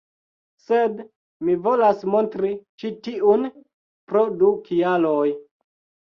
Sed mi volas montri ĉi tiun pro du kialoj